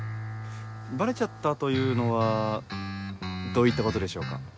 「バレちゃった」というのはどういったことでしょうか？